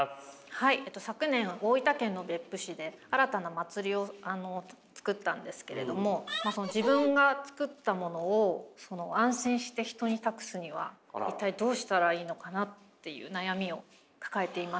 はい昨年大分県の別府市で新たな祭りを作ったんですけれども自分が作ったものを安心して人に託すには一体どうしたらいいのかなっていう悩みを抱えています。